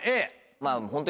まぁホントに。